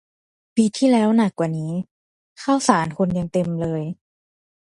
ปีที่แล้วหนักกว่านี้ ข้าวสารคนยังเต็มเลย